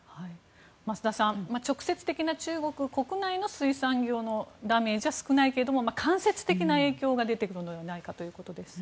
増田さん、直接的な中国国内の水産業へのダメージは少ないけれども、間接的な影響が出てくるということですね。